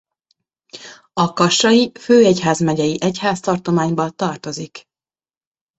A kassai főegyházmegyei egyháztartományba tartozik.